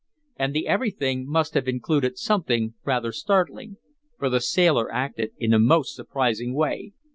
And the everything must have included something rather startling. For the sailor acted in a most surprising way.